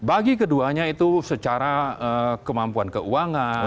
bagi keduanya itu secara kemampuan keuangan